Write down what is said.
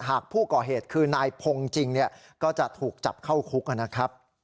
หากผู้ก่อเหตุคือนายพงศ์จริงก็จะถูกจับเข้าคุกนะครับ